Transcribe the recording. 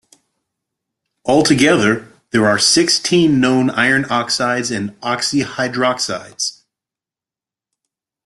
All together, there are sixteen known iron oxides and oxyhydroxides.